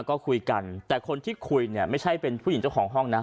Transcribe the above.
ก็คุยกันแต่คนที่คุยเนี่ยไม่ใช่เป็นผู้หญิงเจ้าของห้องนะ